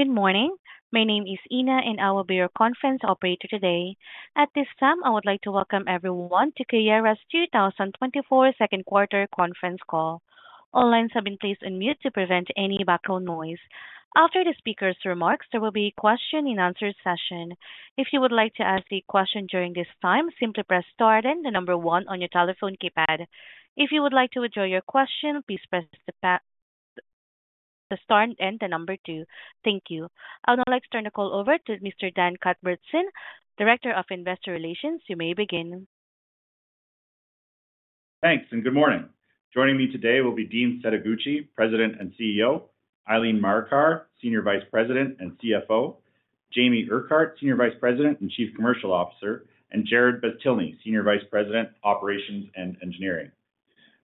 Good morning. My name is Ina, and I will be your conference operator today. At this time, I would like to welcome everyone to Keyera's 2024 second quarter conference call. All lines have been placed on mute to prevent any background noise. After the speaker's remarks, there will be a question and answer session. If you would like to ask a question during this time, simply press star then the number one on your telephone keypad. If you would like to withdraw your question, please press the star and the number two. Thank you. I would now like to turn the call over to Mr. Dan Cuthbertson, Director of Investor Relations. You may begin. Thanks, and good morning. Joining me today will be Dean Setoguchi, President and CEO; Eileen Marikar, Senior Vice President and CFO; Jamie Urquhart, Senior Vice President and Chief Commercial Officer; and Jarrod Beztilny, Senior Vice President, Operations and Engineering.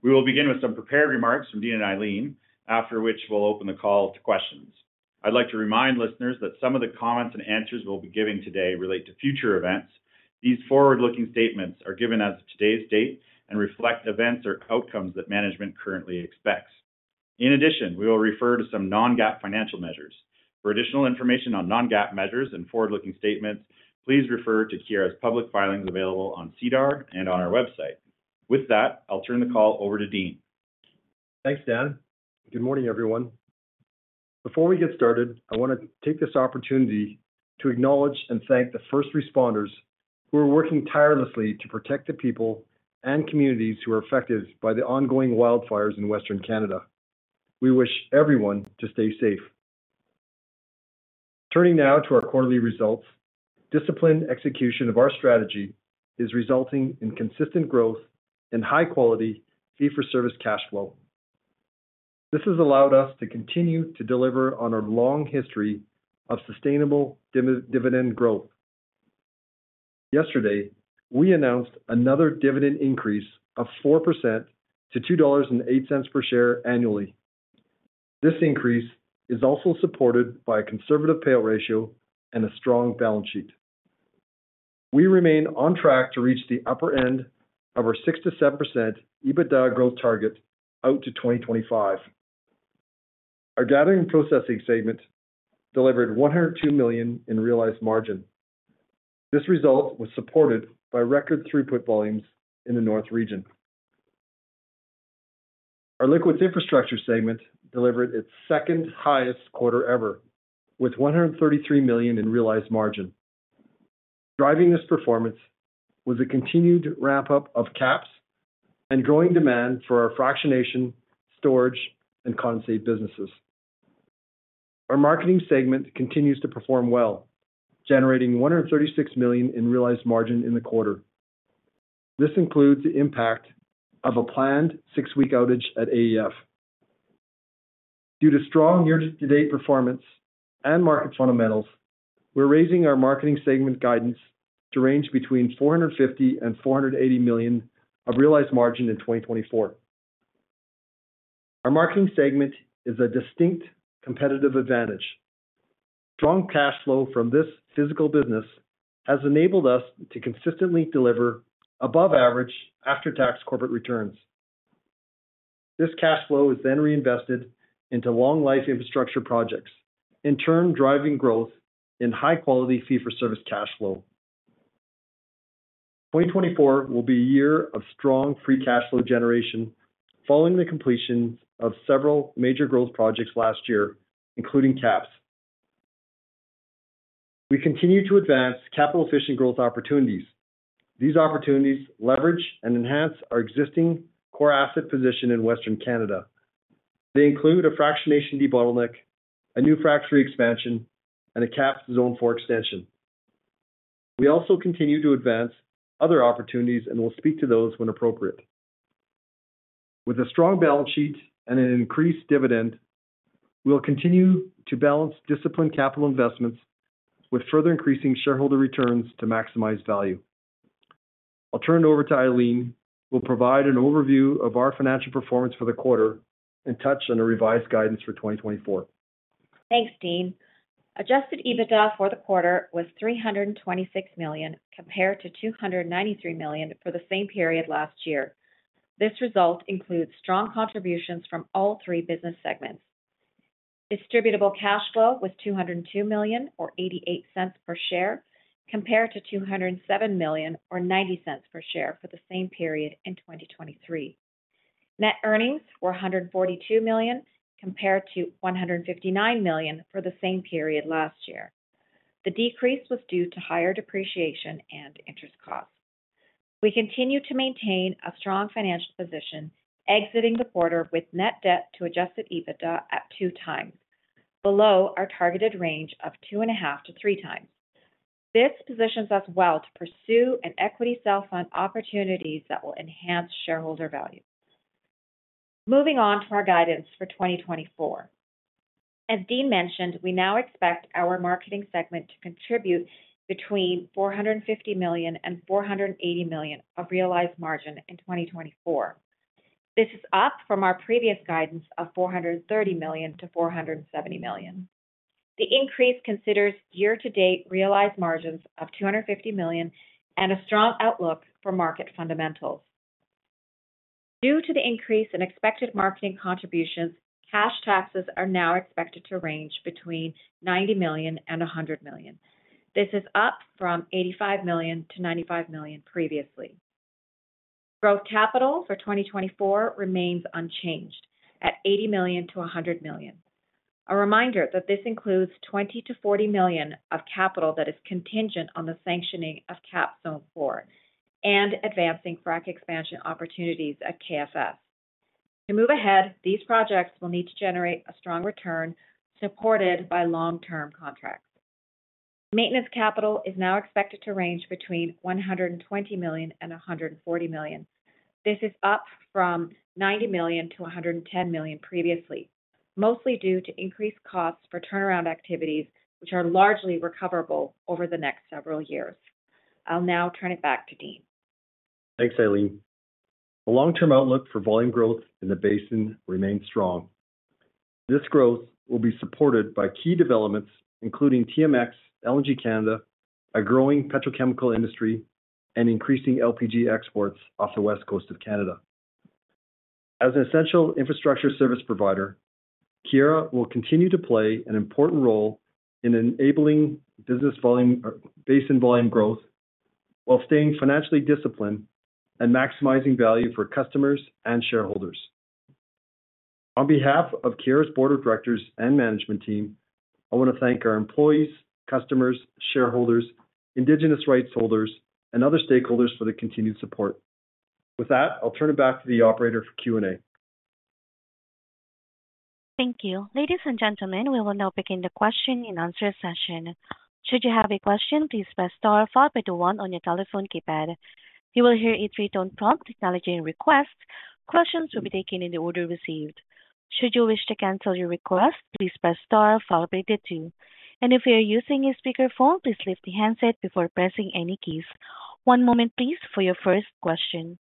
We will begin with some prepared remarks from Dean and Eileen, after which we'll open the call to questions. I'd like to remind listeners that some of the comments and answers we'll be giving today relate to future events. These forward-looking statements are given as of today's date and reflect events or outcomes that management currently expects. In addition, we will refer to some non-GAAP financial measures. For additional information on non-GAAP measures and forward-looking statements, please refer to Keyera's public filings available on SEDAR and on our website. With that, I'll turn the call over to Dean. Thanks, Dan. Good morning, everyone. Before we get started, I wanna take this opportunity to acknowledge and thank the first responders who are working tirelessly to protect the people and communities who are affected by the ongoing wildfires in Western Canada. We wish everyone to stay safe. Turning now to our quarterly results. Disciplined execution of our strategy is resulting in consistent growth and high quality fee-for-service cash flow. This has allowed us to continue to deliver on our long history of sustainable dividend growth. Yesterday, we announced another dividend increase of 4% to 2.08 dollars per share annually. This increase is also supported by a conservative payout ratio and a strong balance sheet. We remain on track to reach the upper end of our 6%-7% EBITDA growth target out to 2025. Our Gathering and Processing segment delivered 102 million in realized margin. This result was supported by record throughput volumes in the North Region. Our Liquids Infrastructure segment delivered its second highest quarter ever, with 133 million in realized margin. Driving this performance was a continued ramp-up of KAPS and growing demand for our fractionation, storage, and condensate businesses. Our Marketing segment continues to perform well, generating 136 million in realized margin in the quarter. This includes the impact of a planned 6-week outage at AEF. Due to strong year-to-date performance and market fundamentals, we're raising our Marketing segment guidance to range between 450 million and 480 million of realized margin in 2024. Our Marketing segment is a distinct competitive advantage. Strong cash flow from this physical business has enabled us to consistently deliver above average after-tax corporate returns. This cash flow is then reinvested into long life infrastructure projects, in turn, driving growth in high-quality fee-for-service cash flow. 2024 will be a year of strong free cash flow generation, following the completion of several major growth projects last year, including KAPS. We continue to advance capital-efficient growth opportunities. These opportunities leverage and enhance our existing core asset position in Western Canada. They include a fractionation debottleneck, a new fractionator expansion, and a KAPS Zone 4 extension. We also continue to advance other opportunities and will speak to those when appropriate. With a strong balance sheet and an increased dividend, we'll continue to balance disciplined capital investments with further increasing shareholder returns to maximize value. I'll turn it over to Eileen, who will provide an overview of our financial performance for the quarter and touch on a revised guidance for 2024. Thanks, Dean. Adjusted EBITDA for the quarter was 326 million, compared to 293 million for the same period last year. This result includes strong contributions from all three business segments. Distributable cash flow was CAD 202 million, or 0.88 per share, compared to CAD 207 million or 0.90 per share for the same period in 2023. Net earnings were CAD 142 million, compared to CAD 159 million for the same period last year. The decrease was due to higher depreciation and interest costs. We continue to maintain a strong financial position, exiting the quarter with net debt to adjusted EBITDA at 2x, below our targeted range of 2.5x-3x. This positions us well to pursue equity self-fund opportunities that will enhance shareholder value. Moving on to our guidance for 2024. As Dean mentioned, we now expect our marketing segment to contribute between 450 million and 480 million of realized margin in 2024. This is up from our previous guidance of 430 million-470 million. The increase considers year-to-date realized margins of 250 million and a strong outlook for market fundamentals. Due to the increase in expected marketing contributions, cash taxes are now expected to range between 90 million and 100 million. This is up from 85 million-95 million previously. Growth capital for 2024 remains unchanged at 80 million-100 million. A reminder that this includes 20 million-40 million of capital that is contingent on the sanctioning of KAPS Zone 4 and advancing frac expansion opportunities at KFS. To move ahead, these projects will need to generate a strong return, supported by long-term contracts. Maintenance capital is now expected to range between 120 million and 140 million. This is up from 90 million to 110 million previously, mostly due to increased costs for turnaround activities, which are largely recoverable over the next several years. I'll now turn it back to Dean. Thanks, Eileen. The long-term outlook for volume growth in the basin remains strong. This growth will be supported by key developments, including TMX, LNG Canada, a growing petrochemical industry, and increasing LPG exports off the west coast of Canada. As an essential infrastructure service provider, Keyera will continue to play an important role in enabling business volume, or basin volume growth, while staying financially disciplined and maximizing value for customers and shareholders. On behalf of Keyera's board of directors and management team, I want to thank our employees, customers, shareholders, indigenous rights holders, and other stakeholders for their continued support. With that, I'll turn it back to the operator for Q&A. Thank you. Ladies and gentlemen, we will now begin the question and answer session. Should you have a question, please press star followed by the one on your telephone keypad. You will hear a three-tone prompt acknowledging request. Questions will be taken in the order received. Should you wish to cancel your request, please press star followed by the two. And if you are using a speakerphone, please lift the handset before pressing any keys. One moment, please, for your first question.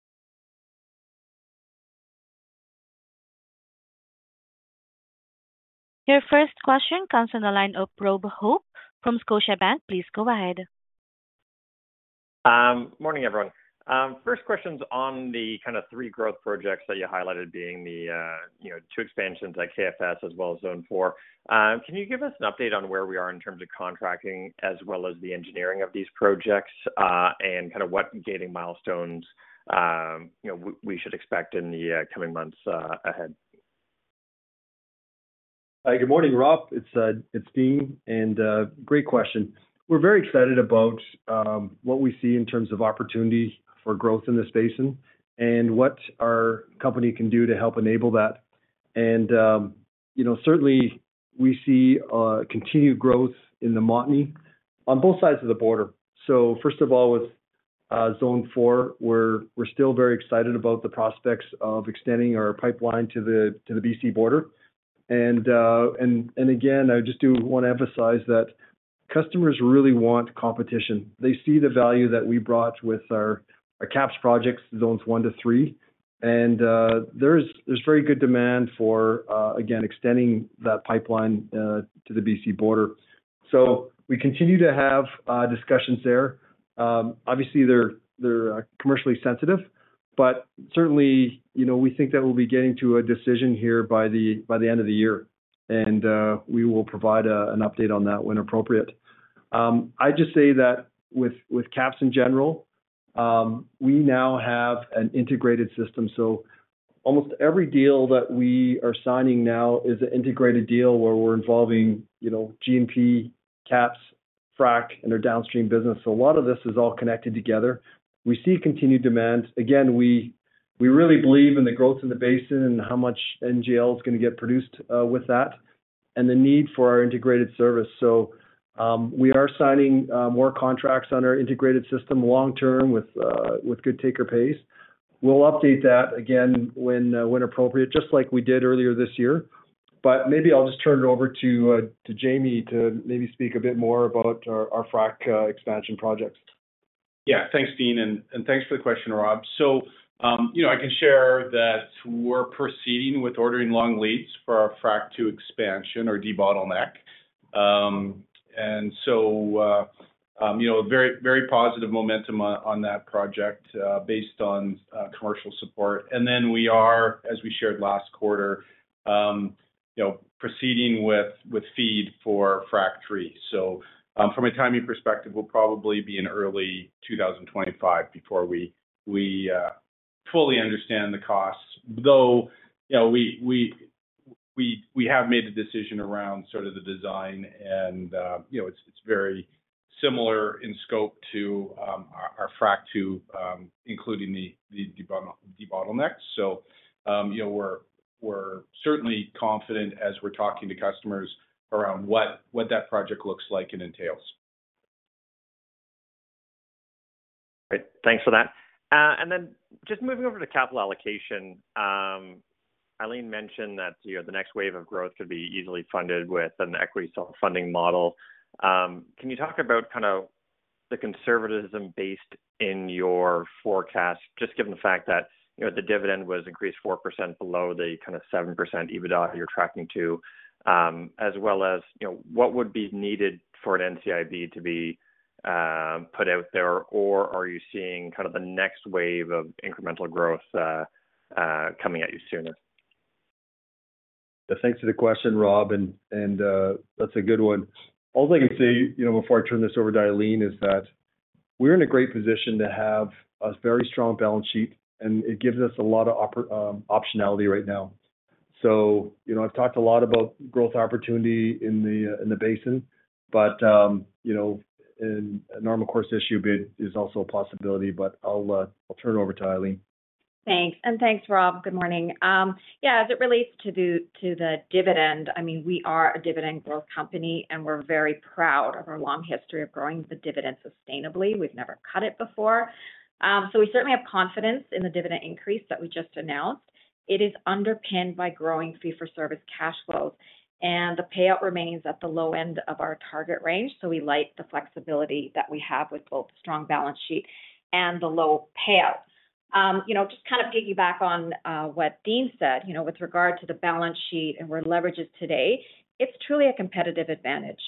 Your first question comes from the line of Rob Hope from Scotiabank. Please go ahead. Morning, everyone. First question's on the kind of three growth projects that you highlighted being the, you know, two expansions at KFS as well as Zone 4. Can you give us an update on where we are in terms of contracting as well as the engineering of these projects, and kind of what gating milestones, you know, we should expect in the coming months ahead? Good morning, Rob. It's Dean, and great question. We're very excited about what we see in terms of opportunity for growth in this basin and what our company can do to help enable that. You know, certainly we see continued growth in the Montney on both sides of the border. So first of all, with Zone 4, we're still very excited about the prospects of extending our pipeline to the B.C. border. And again, I just do want to emphasize that customers really want competition. They see the value that we brought with our KAPS projects, Zones 1-3. And there's very good demand for again extending that pipeline to the B.C. border. So we continue to have discussions there. Obviously, they're commercially sensitive, but certainly, you know, we think that we'll be getting to a decision here by the end of the year, and we will provide an update on that when appropriate. I just say that with KAPS in general, we now have an integrated system, so almost every deal that we are signing now is an integrated deal where we're involving, you know, G&P, KAPS, Frac, and our downstream business. So a lot of this is all connected together. We see continued demand. Again, we really believe in the growth in the basin and how much NGL is gonna get produced with that, and the need for our integrated service. So, we are signing more contracts on our integrated system long term with good take-or-pay. We'll update that again when, when appropriate, just like we did earlier this year. But maybe I'll just turn it over to, to Jamie, to maybe speak a bit more about our, our Frac, expansion projects. Yeah. Thanks, Dean, and thanks for the question, Rob. So, you know, I can share that we're proceeding with ordering long leads for our Frac 2 expansion or debottleneck. And so, you know, very, very positive momentum on that project based on commercial support. And then we are, as we shared last quarter, you know, proceeding with FEED for Frac 3. So, from a timing perspective, we'll probably be in early 2025 before we fully understand the costs, though, you know, we have made a decision around sort of the design and, you know, it's very similar in scope to our Frac 2, including the debottleneck. You know, we're certainly confident as we're talking to customers around what that project looks like and entails. Great. Thanks for that. And then just moving over to capital allocation, Eileen mentioned that, you know, the next wave of growth could be easily funded with an equity funding model. Can you talk about kind of the conservatism based in your forecast, just given the fact that, you know, the dividend was increased 4% below the kind of 7% EBITDA you're tracking to, as well as, you know, what would be needed for an NCIB to be put out there, or are you seeing kind of the next wave of incremental growth coming at you sooner? ... Thanks for the question, Rob, that's a good one. All I can say, you know, before I turn this over to Eileen, is that we're in a great position to have a very strong balance sheet, and it gives us a lot of optionality right now. So, you know, I've talked a lot about growth opportunity in the, in the basin, but, you know, in a normal course issuer bid is also a possibility. But I'll, I'll turn it over to Eileen. Thanks. And thanks, Rob. Good morning. Yeah, as it relates to the, to the dividend, I mean, we are a dividend growth company, and we're very proud of our long history of growing the dividend sustainably. We've never cut it before. So we certainly have confidence in the dividend increase that we just announced. It is underpinned by growing fee-for-service cash flows, and the payout remains at the low end of our target range, so we like the flexibility that we have with both strong balance sheet and the low payout. You know, just to kind of piggyback on what Dean said, you know, with regard to the balance sheet and where leverage is today, it's truly a competitive advantage.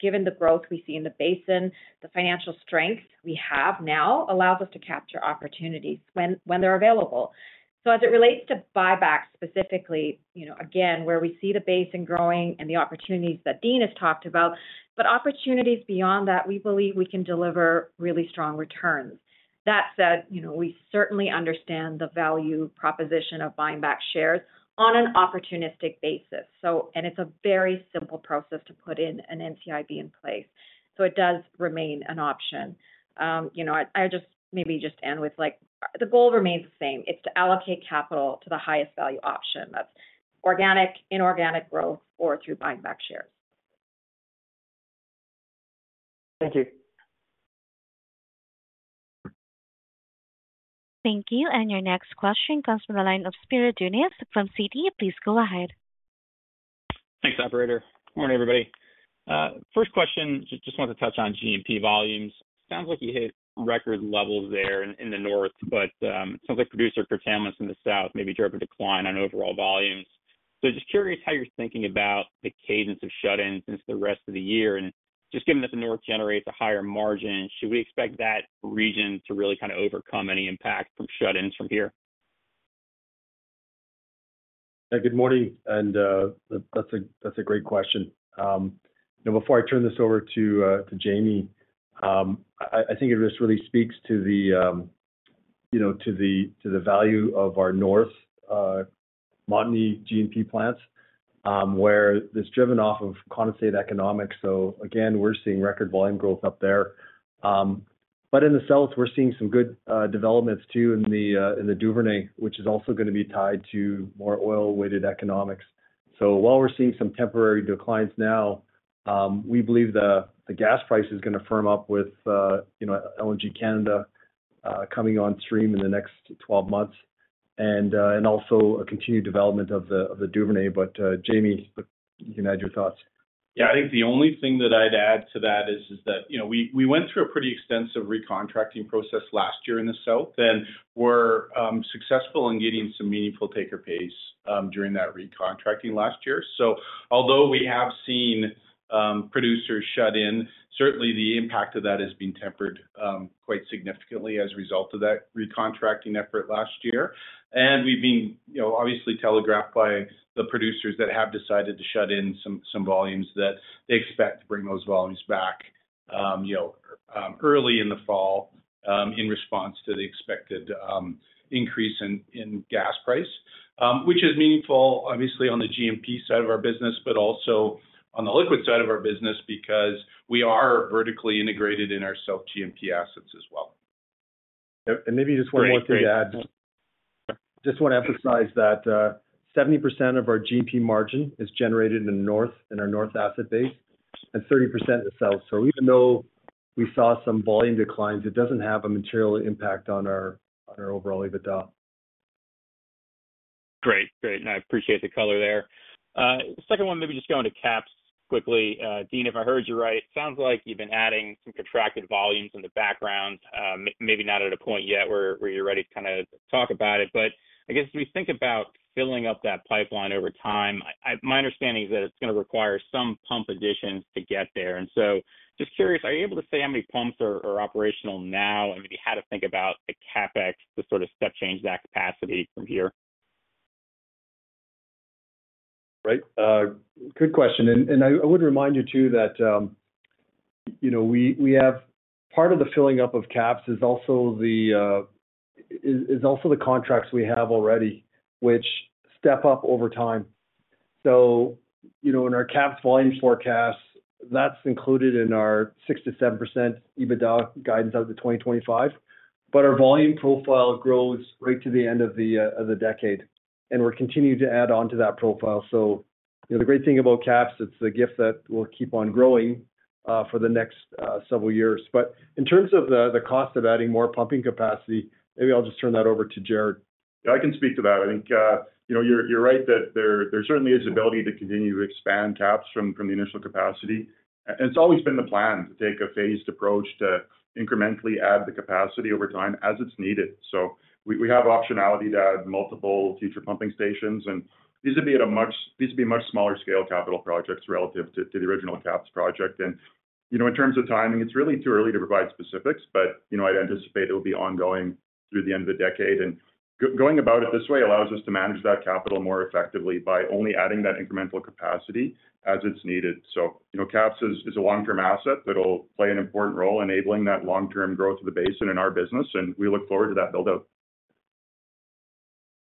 Given the growth we see in the basin, the financial strength we have now allows us to capture opportunities when they're available. So as it relates to buybacks, specifically, you know, again, where we see the basin growing and the opportunities that Dean has talked about, but opportunities beyond that, we believe we can deliver really strong returns. That said, you know, we certainly understand the value proposition of buying back shares on an opportunistic basis. So, and it's a very simple process to put in an NCIB in place, so it does remain an option. You know, I just maybe just end with, like, the goal remains the same. It's to allocate capital to the highest value option. That's organic, inorganic growth, or through buying back shares. Thank you. Thank you, and your next question comes from the line of Spiro Dounis from Citi. Please go ahead. Thanks, operator. Morning, everybody. First question, just, just want to touch on G&P volumes. Sounds like you hit record levels there in, in the north, but, sounds like producer curtailments in the south maybe drove a decline on overall volumes. So just curious how you're thinking about the cadence of shut-ins into the rest of the year. And just given that the north generates a higher margin, should we expect that region to really kind of overcome any impact from shut-ins from here? Yeah, good morning, and that's a great question. You know, before I turn this over to Jamie, I think it just really speaks to the value of our north Montney G&P plants, where it's driven off of condensate economics. So again, we're seeing record volume growth up there. But in the south, we're seeing some good developments, too, in the Duvernay, which is also gonna be tied to more oil-weighted economics. So while we're seeing some temporary declines now, we believe the gas price is gonna firm up with, you know, LNG Canada coming on stream in the next 12 months and also a continued development of the Duvernay. But Jamie, you can add your thoughts. Yeah, I think the only thing that I'd add to that is that, you know, we went through a pretty extensive recontracting process last year in the South, and we're successful in getting some meaningful take-or-pay during that recontracting last year. So although we have seen producers shut in, certainly the impact of that has been tempered quite significantly as a result of that recontracting effort last year. And we've been, you know, obviously telegraphed by the producers that have decided to shut in some volumes, that they expect to bring those volumes back, you know, early in the fall, in response to the expected increase in gas price. Which is meaningful, obviously, on the G&P side of our business, but also on the liquid side of our business, because we are vertically integrated in our south G&P assets as well. Maybe just one more thing to add. Just wanna emphasize that, seventy percent of our G&P margin is generated in the north, in our north asset base, and thirty percent in the south. So even though we saw some volume declines, it doesn't have a material impact on our, on our overall EBITDA. Great. Great, and I appreciate the color there. Second one, maybe just going to KAPS quickly. Dean, if I heard you right, it sounds like you've been adding some contracted volumes in the background, maybe not at a point yet where you're ready to kind of talk about it. But I guess, as we think about filling up that pipeline over time, my understanding is that it's gonna require some pump additions to get there. And so just curious, are you able to say how many pumps are operational now? And maybe how to think about the CapEx to sort of step change that capacity from here? Right. Good question, and, and I, I would remind you, too, that, you know, we, we have—part of the filling up of KAPS is also the, is, is also the contracts we have already, which step up over time. So, you know, in our KAPS volume forecast, that's included in our 6%-7% EBITDA guidance out to 2025. But our volume profile grows right to the end of the, of the decade, and we're continuing to add on to that profile. So you know, the great thing about KAPS, it's the gift that will keep on growing, for the next, several years. But in terms of the, the cost of adding more pumping capacity, maybe I'll just turn that over to Jarrod. Yeah, I can speak to that. I think, you know, you're, you're right that there, there certainly is ability to continue to expand KAPS from, from the initial capacity. And it's always been the plan to take a phased approach to incrementally add the capacity over time as it's needed. So we, we have optionality to add multiple future pumping stations, and these would be much smaller scale capital projects relative to, to the original KAPS project. And, you know, in terms of timing, it's really too early to provide specifics, but, you know, I'd anticipate it will be ongoing through the end of the decade. And going about it this way allows us to manage that capital more effectively by only adding that incremental capacity as it's needed. So, you know, KAPS is a long-term asset that'll play an important role enabling that long-term growth of the basin in our business, and we look forward to that build-out.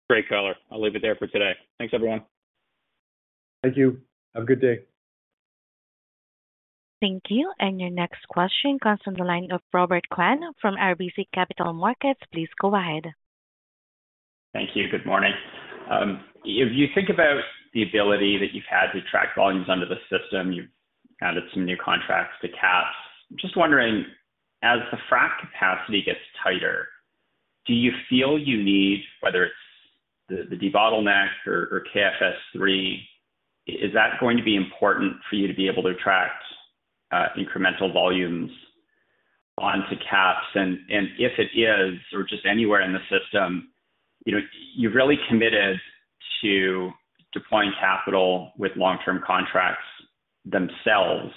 Great color. I'll leave it there for today. Thanks, everyone. Thank you. Have a good day. Thank you, and your next question comes from the line of Robert Kwan from RBC Capital Markets. Please go ahead. Thank you. Good morning. If you think about the ability that you've had to track volumes under the system, you've added some new contracts to KAPS. I'm just wondering, as the Frac capacity gets tighter, do you feel you need, whether it's the, the debottleneck or, or KFS Frac 3, is that going to be important for you to be able to attract incremental volumes onto KAPS? And, and if it is, or just anywhere in the system, you know, you've really committed to deploying capital with long-term contracts themselves,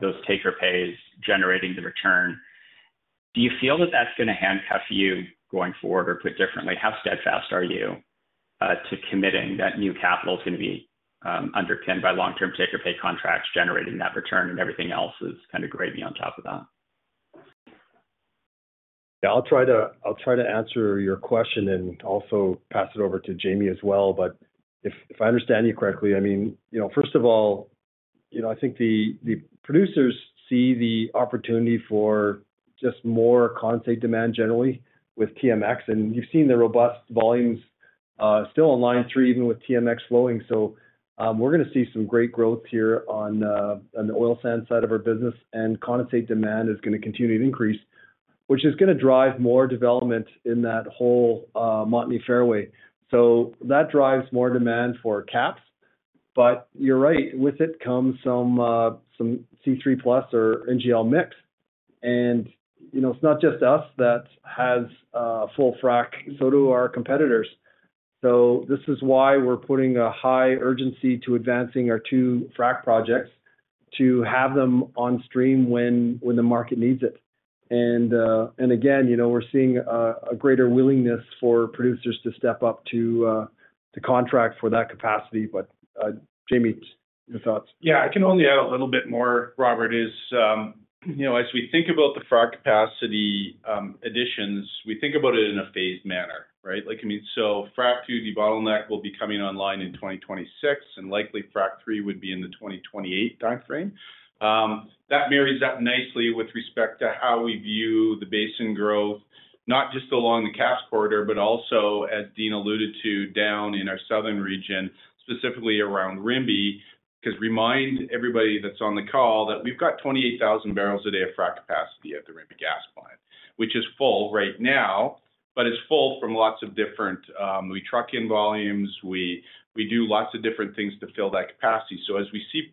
those take-or-pays, generating the return. Do you feel that that's gonna handcuff you going forward? Or put differently, how steadfast are you to committing that new capital is gonna be underpinned by long-term take-or-pay contracts, generating that return, and everything else is kind of gravy on top of that? Yeah, I'll try to answer your question and also pass it over to Jamie as well. But if I understand you correctly, I mean, you know, first of all, you know, I think the producers see the opportunity for just more condensate demand generally with TMX, and you've seen the robust volumes still on Line 3, even with TMX flowing. So we're gonna see some great growth here on the oil sand side of our business, and condensate demand is gonna continue to increase, which is gonna drive more development in that whole Montney fairway. So that drives more demand for KAPS. But you're right, with it comes some C3+ or NGL mix. And you know, it's not just us that has a full Frac, so do our competitors. So this is why we're putting a high urgency to advancing our two Frac projects, to have them on stream when, when the market needs it. And, and again, you know, we're seeing a, a greater willingness for producers to step up to, to contract for that capacity. But, Jamie, your thoughts? Yeah, I can only add a little bit more, Robert, is, you know, as we think about the Frac capacity, additions, we think about it in a phased manner, right? Like, I mean, so Frac 2 debottleneck will be coming online in 2026, and likely Frac 3 would be in the 2028-time frame. That marries up nicely with respect to how we view the basin growth, not just along the KAPS corridor, but also, as Dean alluded to, down in our southern region, specifically around Rimbey. 'Cause remind everybody that's on the call, that we've got 28,000 barrels a day of Frac capacity at the Rimbey Gas Plant, which is full right now, but it's full from lots of different. We truck in volumes, we do lots of different things to fill that capacity. So as we see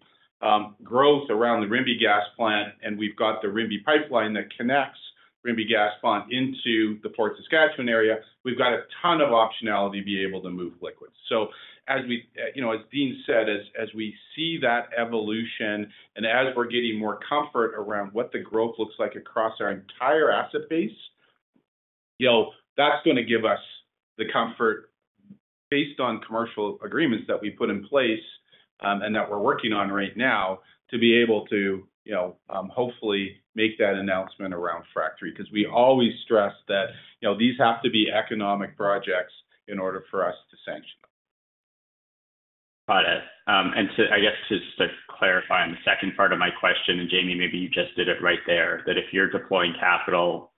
growth around the Rimbey Gas Plant, and we've got the Rimbey pipeline that connects Rimbey Gas Plant into the Fort Saskatchewan area, we've got a ton of optionality to be able to move liquids. So as we, you know, as Dean said, as we see that evolution and as we're getting more comfort around what the growth looks like across our entire asset base, you know, that's gonna give us the comfort based on commercial agreements that we put in place, and that we're working on right now, to be able to, you know, hopefully make that announcement around Frac 3. Because we always stress that, you know, these have to be economic projects in order for us to sanction them. Got it. And, I guess, to just clarify on the second part of my question, and Jamie, maybe you just did it right there, that if you're deploying capital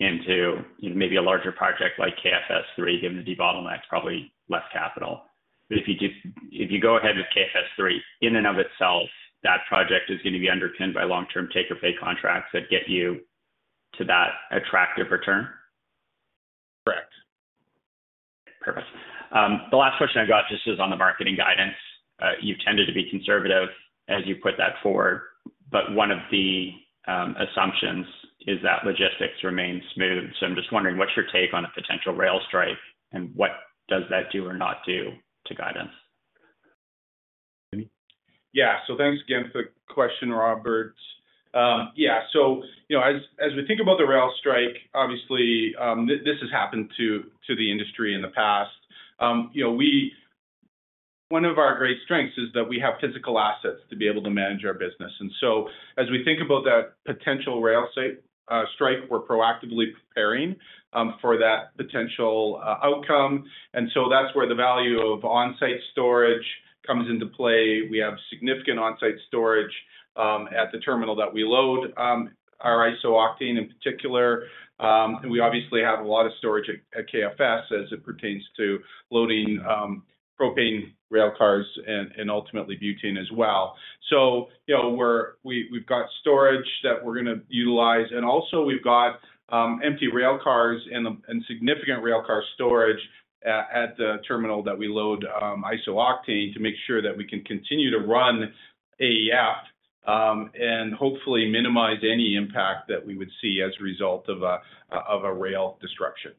into maybe a larger project like KFS 3, given the bottleneck, probably less capital. But if you do—if you go ahead with KFS 3 in and of itself, that project is gonna be underpinned by long-term take-or-pay contracts that get you to that attractive return? Correct. Perfect. The last question I've got just is on the marketing guidance. You've tended to be conservative as you put that forward, but one of the assumptions is that logistics remains smooth. So I'm just wondering, what's your take on a potential rail strike, and what does that do or not do to guidance? Jamie? Yeah. So thanks again for the question, Robert. Yeah, so you know, as we think about the rail strike, obviously, this has happened to the industry in the past. You know, one of our great strengths is that we have physical assets to be able to manage our business. And so as we think about that potential rail strike, we're proactively preparing for that potential outcome. And so that's where the value of on-site storage comes into play. We have significant on-site storage at the terminal that we load our iso-octane in particular. And we obviously have a lot of storage at KFS as it pertains to loading propane rail cars and ultimately butane as well. So, you know, we're, we've got storage that we're gonna utilize, and also we've got empty rail cars and significant rail car storage at the terminal that we load iso-octane to make sure that we can continue to run AEF, and hopefully minimize any impact that we would see as a result of a rail disruption.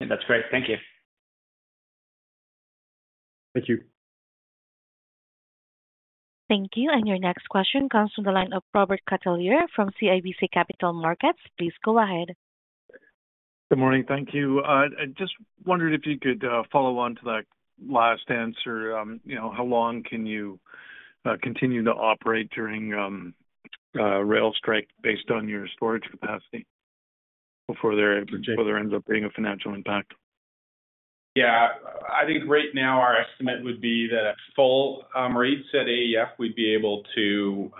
That's great. Thank you. Thank you. Thank you. Your next question comes from the line of Robert Catellier from CIBC Capital Markets. Please go ahead. Good morning. Thank you. I just wondered if you could follow on to that last answer. You know, how long can you continue to operate during a rail strike based on your storage capacity before there ends up being a financial impact? Yeah, I think right now our estimate would be that at full rates at AEF, we'd be able to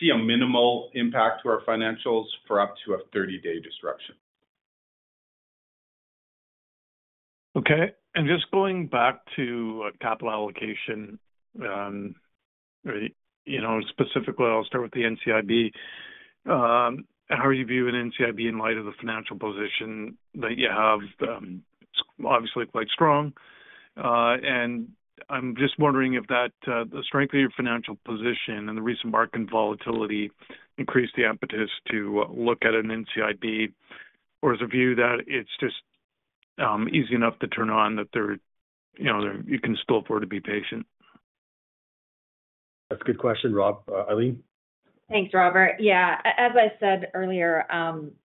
see a minimal impact to our financials for up to a 30-day disruption. Okay. And just going back to capital allocation, you know, specifically, I'll start with the NCIB. How are you viewing NCIB in light of the financial position that you have? Obviously, quite strong. And I'm just wondering if that, the strength of your financial position and the recent market volatility increased the impetus to look at an NCIB, or is the view that it's just easy enough to turn on, that there, you know, you can still afford to be patient? That's a good question, Rob. Eileen? Thanks, Robert. Yeah, as I said earlier,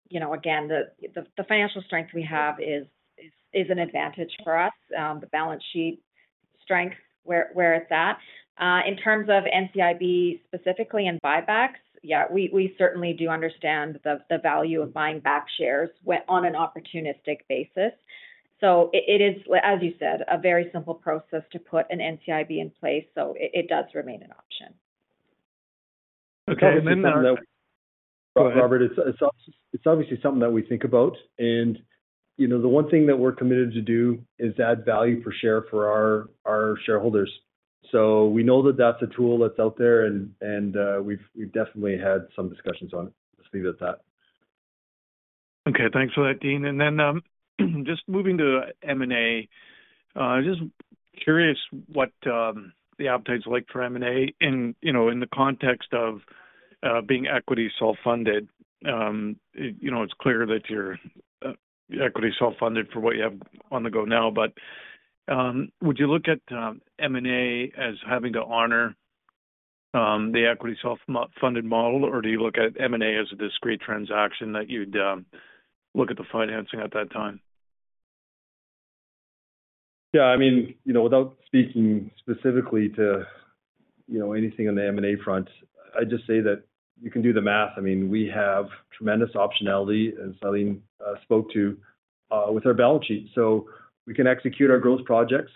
you know, again, the financial strength we have is an advantage for us. The balance sheet strength, where it's at. In terms of NCIB, specifically, and buybacks, yeah, we certainly do understand the value of buying back shares on an opportunistic basis. So it is, as you said, a very simple process to put an NCIB in place, so it does remain an option. Okay, and then- Robert, it's obviously something that we think about, and, you know, the one thing that we're committed to do is add value per share for our shareholders. So we know that that's a tool that's out there, and we've definitely had some discussions on it. Let's leave it at that. Okay, thanks for that, Dean. Just moving to M&A. Just curious what the appetite is like for M&A in, you know, in the context of being equity self-funded. You know, it's clear that you're equity self-funded for what you have on the go now, but would you look at M&A as having to honor the equity self-funded model? Or do you look at M&A as a discrete transaction that you'd look at the financing at that time? Yeah, I mean, you know, without speaking specifically to, you know, anything on the M&A front, I'd just say that you can do the math. I mean, we have tremendous optionality, as Eileen spoke to, with our balance sheet. So we can execute our growth projects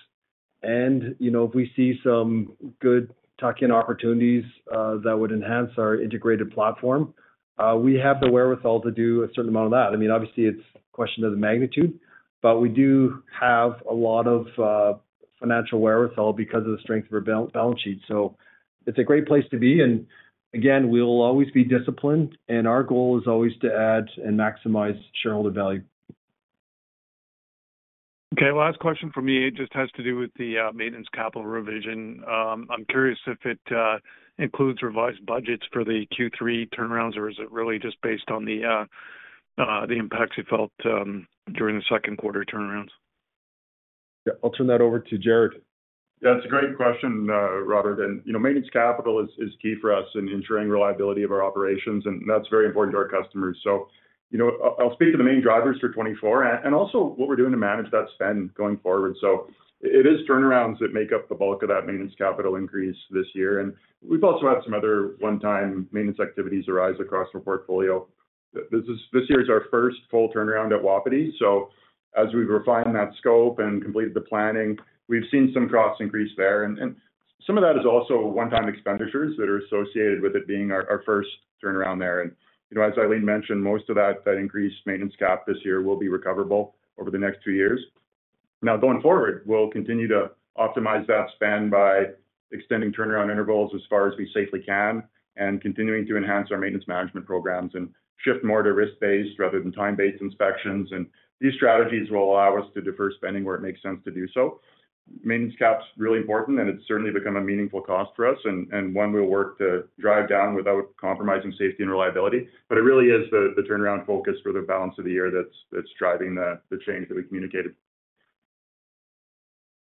and, you know, if we see some good tuck-in opportunities, that would enhance our integrated platform, we have the wherewithal to do a certain amount of that. I mean, obviously, it's a question of the magnitude, but we do have a lot of financial wherewithal because of the strength of our balance sheet. So it's a great place to be, and again, we'll always be disciplined, and our goal is always to add and maximize shareholder value. Okay, last question from me. It just has to do with the maintenance capital revision. I'm curious if it includes revised budgets for the Q3 turnarounds, or is it really just based on the impacts you felt during the second quarter turnarounds? Yeah, I'll turn that over to Jarrod. Yeah, it's a great question, Robert. And, you know, maintenance capital is key for us in ensuring reliability of our operations, and that's very important to our customers. So, you know, I'll speak to the main drivers for 2024 and also what we're doing to manage that spend going forward. So it is turnarounds that make up the bulk of that maintenance capital increase this year, and we've also had some other one-time maintenance activities arise across our portfolio. This year is our first full turnaround at Wapiti, so as we've refined that scope and completed the planning, we've seen some costs increase there. And some of that is also one-time expenditures that are associated with it being our first turnaround there. You know, as Eileen mentioned, most of that, that increased maintenance CapEx this year will be recoverable over the next two years. Now, going forward, we'll continue to optimize that spend by extending turnaround intervals as far as we safely can and continuing to enhance our maintenance management programs and shift more to risk-based rather than time-based inspections. And these strategies will allow us to defer spending where it makes sense to do so. Maintenance CapEx is really important, and it's certainly become a meaningful cost for us and, and one we'll work to drive down without compromising safety and reliability. But it really is the, the turnaround focus for the balance of the year that's, that's driving the, the change that we communicated.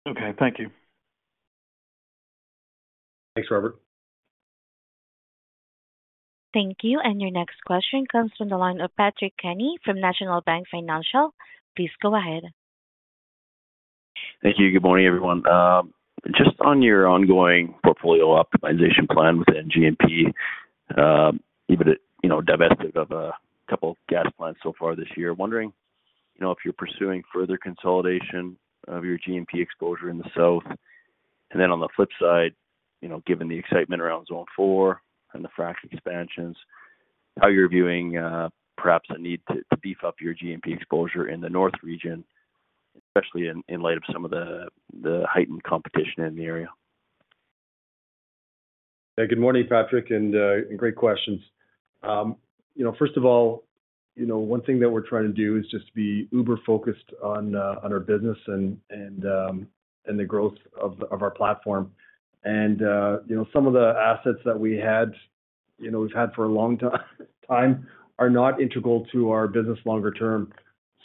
Okay, thank you. Thanks, Robert. Thank you, and your next question comes from the line of Patrick Kenny from National Bank Financial. Please go ahead. Thank you. Good morning, everyone. Just on your ongoing portfolio optimization plan with G&P, you know, divested of a couple gas plants so far this year. Wondering if you're pursuing further consolidation of your G&P exposure in the South? And then on the flip side, you know, given the excitement around Zone 4 and the Frac expansions, how you're viewing perhaps a need to beef up your G&P exposure in the North Region, especially in light of some of the heightened competition in the area? Yeah, good morning, Patrick, and great questions. You know, first of all, you know, one thing that we're trying to do is just be uber focused on our business and the growth of our platform. And you know, some of the assets that we've had for a long time are not integral to our business longer term.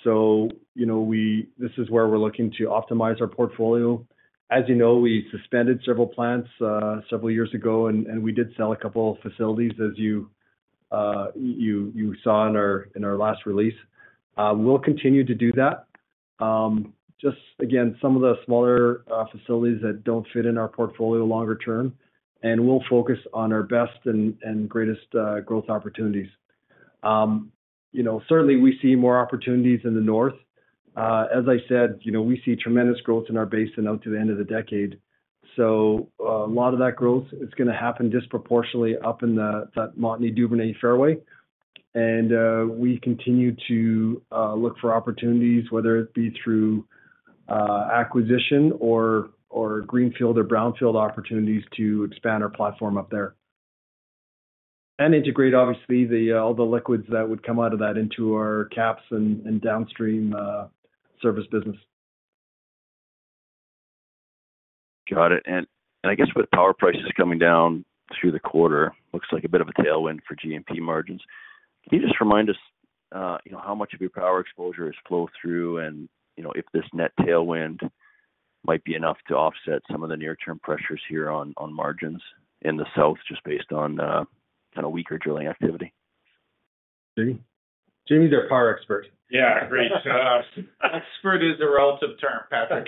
So, you know, this is where we're looking to optimize our portfolio. As you know, we suspended several plants several years ago, and we did sell a couple of facilities as you saw in our last release. We'll continue to do that. Just again, some of the smaller facilities that don't fit in our portfolio longer term, and we'll focus on our best and greatest growth opportunities. You know, certainly we see more opportunities in the north. As I said, you know, we see tremendous growth in our basin out to the end of the decade. So, a lot of that growth is gonna happen disproportionately up in that Montney-Duvernay fairway. And we continue to look for opportunities, whether it be through acquisition or greenfield or brownfield opportunities to expand our platform up there. And integrate, obviously, all the liquids that would come out of that into our KAPS and downstream service business. Got it. And I guess with power prices coming down through the quarter, looks like a bit of a tailwind for G&P margins. Can you just remind us, you know, how much of your power exposure is flow-through? And, you know, if this net tailwind might be enough to offset some of the near-term pressures here on margins in the south, just based on a weaker drilling activity? Jamie? Jamie's our power expert. Yeah, great. Expert is a relative term, Patrick.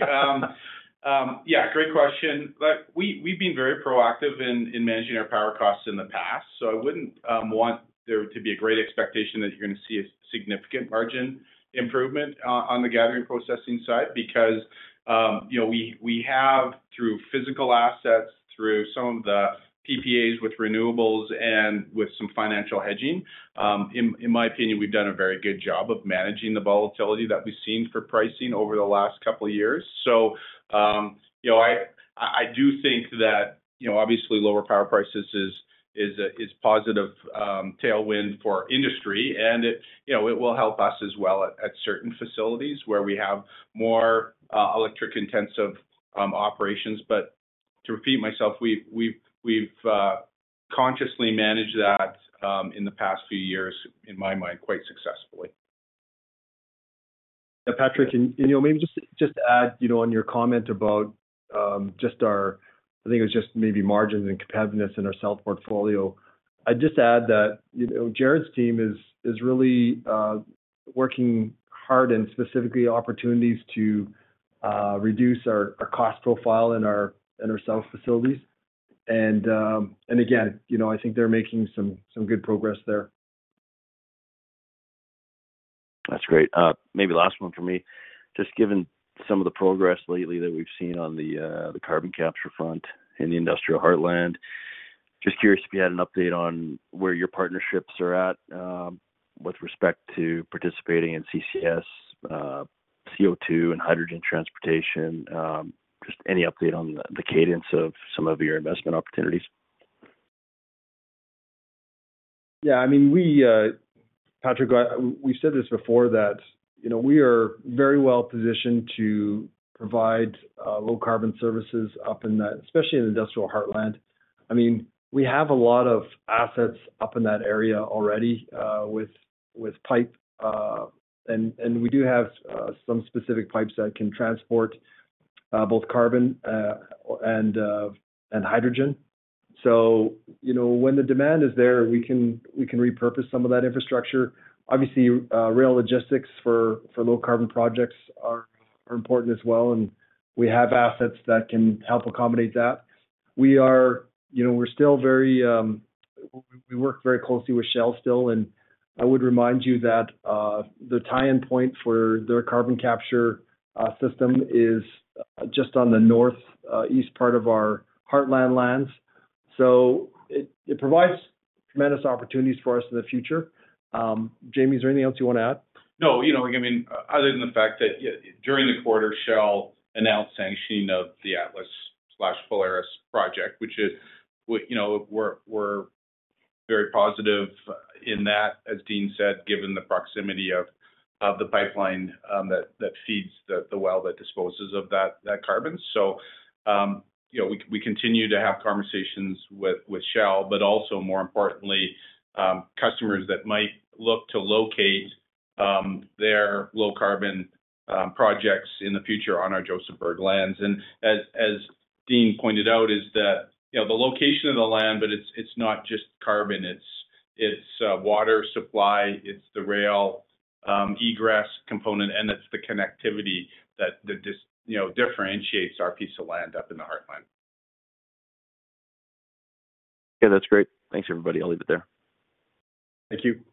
Yeah, great question. Like, we've been very proactive in managing our power costs in the past, so I wouldn't want there to be a great expectation that you're gonna see a significant margin improvement on the gathering processing side. Because, you know, we have, through physical assets, through some of the PPAs with renewables and with some financial hedging, in my opinion, we've done a very good job of managing the volatility that we've seen for pricing over the last couple of years. So, you know, I do think that, you know, obviously, lower power prices is a positive tailwind for industry, and it will help us as well at certain facilities where we have more electric intensive operations. But to repeat myself, we've consciously managed that in the past few years, in my mind, quite successfully. Yeah, Patrick, and maybe just to add, you know, on your comment about just our... I think it was just maybe margins and competitiveness in our south portfolio. I'd just add that, you know, Jarrod's team is really working hard and specifically opportunities to reduce our cost profile in our south facilities. And again, you know, I think they're making some good progress there. That's great. Maybe last one for me. Just given some of the progress lately that we've seen on the carbon capture front in the Industrial Heartland, just curious if you had an update on where your partnerships are at, with respect to participating in CCS, CO2, and hydrogen transportation. Just any update on the cadence of some of your investment opportunities? Yeah, I mean, we, Patrick, we've said this before, that, you know, we are very well positioned to provide low carbon services up in that, especially in the Industrial Heartland. I mean, we have a lot of assets up in that area already, with pipe. And we do have some specific pipes that can transport both carbon and hydrogen. So, you know, when the demand is there, we can repurpose some of that infrastructure. Obviously, rail logistics for low carbon projects are important as well, and we have assets that can help accommodate that. We are, you know, we're still very, we work very closely with Shell still, and I would remind you that, the tie-in point for their carbon capture, system is, just on the north, east part of our Heartland lands. So it, it provides tremendous opportunities for us in the future. Jamie, is there anything else you wanna add? No, you know, I mean, other than the fact that, during the quarter, Shell announced sanction of the Atlas/Polaris project, which is, you know, we're very positive in that, as Dean said, given the proximity of the pipeline that FEED's the well that disposes of that carbon. So, you know, we continue to have conversations with Shell, but also more importantly, customers that might look to locate their low carbon projects in the future on our Josephburg lands. And as Dean pointed out, is that, you know, the location of the land, but it's not just carbon, it's water supply, it's the rail egress component, and it's the connectivity that just, you know, differentiates our piece of land up in the Heartland. Yeah, that's great. Thanks, everybody. I'll leave it there. Thank you.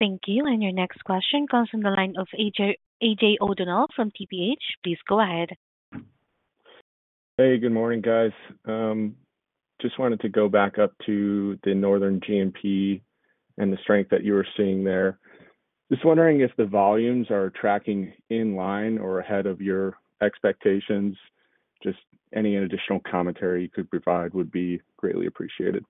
Thank you, and your next question comes from the line of A.J. O'Donnell from TPH. Please go ahead. Hey, good morning, guys. Just wanted to go back up to the northern G&P and the strength that you were seeing there. Just wondering if the volumes are tracking in line or ahead of your expectations? Just any additional commentary you could provide would be greatly appreciated. ...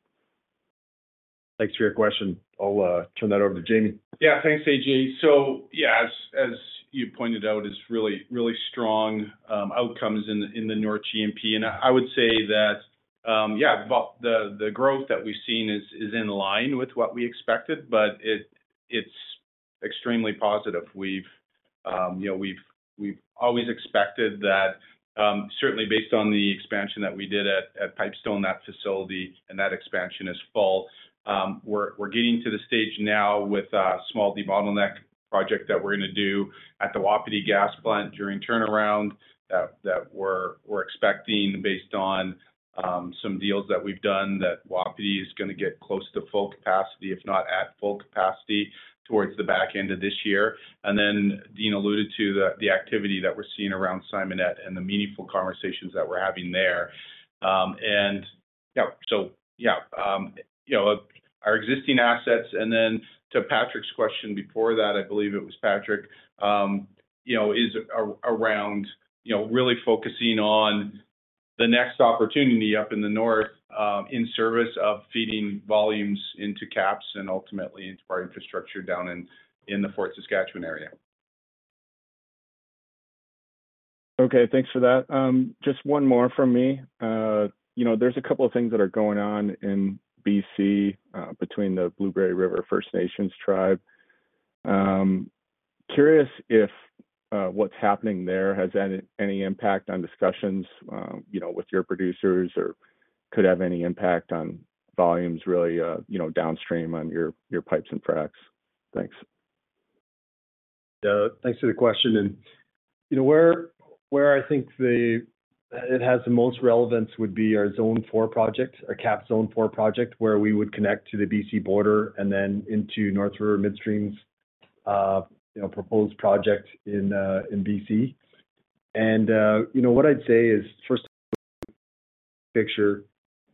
Thanks for your question. I'll turn that over to Jamie. Yeah, thanks, AJ. So yeah, as you pointed out, it's really, really strong outcomes in the North G&P. And I would say that, yeah, but the growth that we've seen is in line with what we expected, but it's extremely positive. We've, you know, we've always expected that, certainly based on the expansion that we did at Pipestone, that facility and that expansion is full. We're getting to the stage now with a small debottleneck project that we're gonna do at the Wapiti Gas Plant during turnaround, that we're expecting, based on some deals that we've done, that Wapiti is gonna get close to full capacity, if not at full capacity, towards the back end of this year. And then Dean alluded to the activity that we're seeing around Simonette and the meaningful conversations that we're having there. You know, our existing assets... And then to Patrick's question before that, I believe it was Patrick, you know, is around, you know, really focusing on the next opportunity up in the north, in service of feeding volumes into KAPS and ultimately into our infrastructure down in the Fort Saskatchewan area. Okay, thanks for that. Just one more from me. You know, there's a couple of things that are going on in BC, between the Blueberry River First Nations tribe. Curious if, what's happening there, has any, any impact on discussions, you know, with your producers, or could have any impact on volumes, really, you know, downstream on your, your pipes and fracs? Thanks. Thanks for the question. And you know, where I think it has the most relevance would be our Zone 4 project, our KAPS Zone 4 project, where we would connect to the BC border and then into North River Midstream's, you know, proposed project in BC. And you know, what I'd say is, first, picture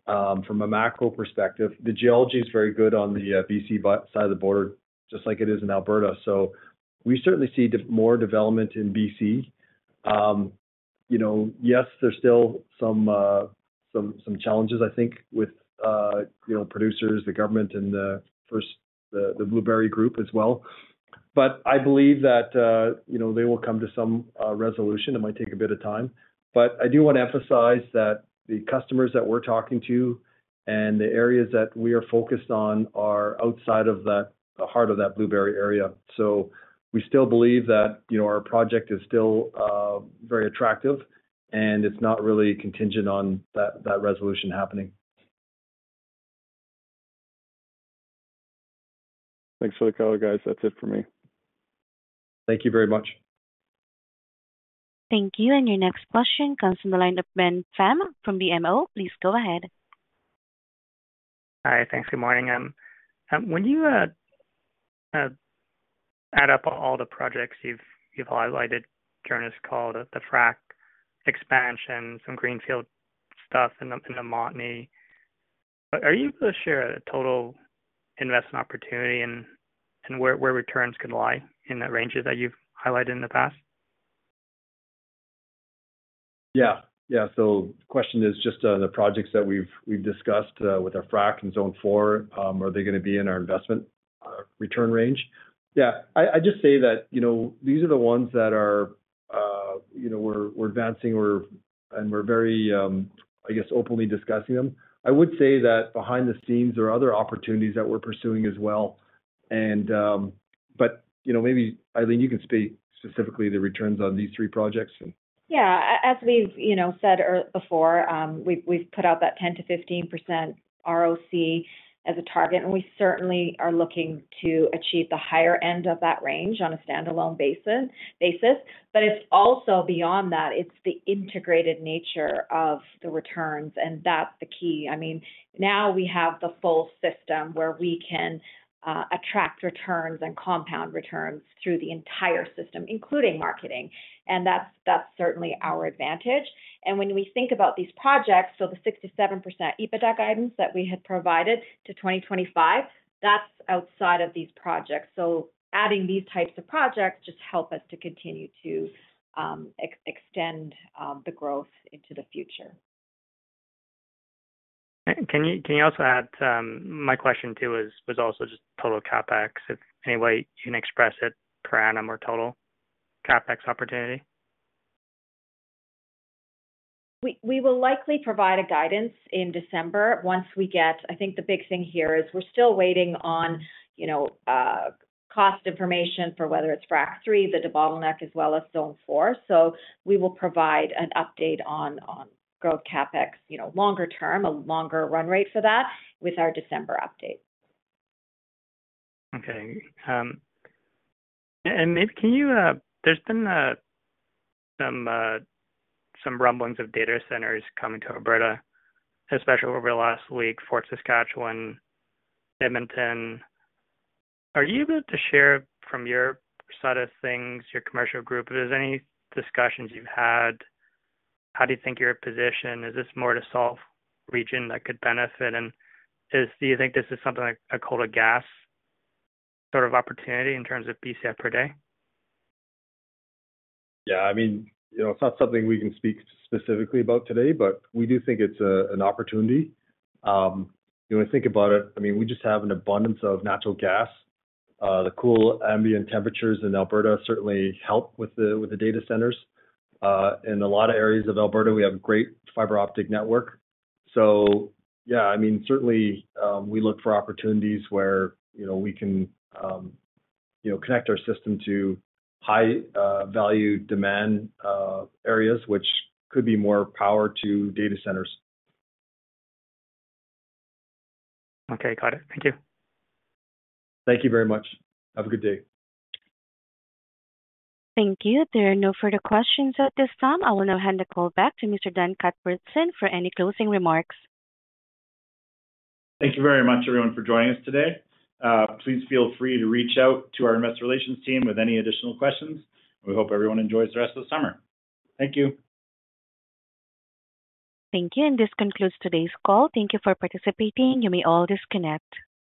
from a macro perspective, the geology is very good on the BC side of the border, just like it is in Alberta. So we certainly see more development in BC. You know, yes, there's still some challenges, I think, with producers, the government and the Blueberry River First Nations as well. But I believe that, you know, they will come to some resolution. It might take a bit of time, but I do want to emphasize that the customers that we're talking to and the areas that we are focused on are outside of that, the heart of that Blueberry area. So we still believe that, you know, our project is still very attractive, and it's not really contingent on that, that resolution happening. Thanks for the call, guys. That's it for me. Thank you very much. Thank you. And your next question comes from the line of Ben Pham from BMO. Please go ahead. Hi, thanks. Good morning. When you add up all the projects you've highlighted during this call, the Frac expansion, some greenfield stuff in the Montney, are you able to share a total investment opportunity and where returns could lie in the ranges that you've highlighted in the past? Yeah. Yeah. So the question is just, the projects that we've, we've discussed, with our Frac in Zone 4, are they gonna be in our investment, return range? Yeah. I, I just say that, you know, these are the ones that are, you know, we're, we're advancing or, and we're very, I guess, openly discussing them. I would say that behind the scenes, there are other opportunities that we're pursuing as well. And, but, you know, maybe, Eileen, you can speak specifically the returns on these three projects, and- Yeah. As we've, you know, said earlier before, we've put out that 10%-15% ROC as a target, and we certainly are looking to achieve the higher end of that range on a standalone basis. But it's also beyond that, it's the integrated nature of the returns, and that's the key. I mean, now we have the full system where we can attract returns and compound returns through the entire system, including marketing, and that's certainly our advantage. And when we think about these projects, so the 6%-7% EBITDA guidance that we had provided to 2025, that's outside of these projects. So adding these types of projects just help us to continue to extend the growth into the future. Can you also add? My question, too, was also just total CapEx. If any way you can express it per annum or total CapEx opportunity? We will likely provide a guidance in December once we get, I think the big thing here is we're still waiting on, you know, cost information for whether it's Frac 3, the debottleneck, as well as Zone 4. So we will provide an update on growth CapEx, you know, longer term, a longer run rate for that, with our December update. Okay. And maybe can you, there's been some rumblings of data centers coming to Alberta, especially over the last week, Fort Saskatchewan, Edmonton. Are you able to share from your side of things, your commercial group, if there's any discussions you've had? How do you think you're positioned? Is this Montney region that could benefit? And do you think this is something like a coal-to-gas sort of opportunity in terms of BCF per day? Yeah, I mean, you know, it's not something we can speak specifically about today, but we do think it's an opportunity. You know, think about it, I mean, we just have an abundance of natural gas. The cool ambient temperatures in Alberta certainly help with the data centers. In a lot of areas of Alberta, we have great fiber optic network. So yeah, I mean, certainly, we look for opportunities where, you know, we can, you know, connect our system to high value demand areas, which could be more power to data centers. Okay, got it. Thank you. Thank you very much. Have a good day. Thank you. There are no further questions at this time. I will now hand the call back to Mr. Dan Cuthbertson for any closing remarks. Thank you very much, everyone, for joining us today. Please feel free to reach out to our investor relations team with any additional questions, and we hope everyone enjoys the rest of the summer. Thank you. Thank you, and this concludes today's call. Thank you for participating. You may all disconnect.